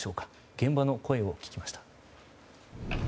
現場の声を聞きました。